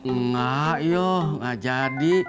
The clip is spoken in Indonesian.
enggak yoh ga jadi